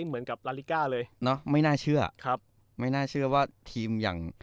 เหมือนกับลาลิก้าเลยเนอะไม่น่าเชื่อครับไม่น่าเชื่อว่าทีมอย่าง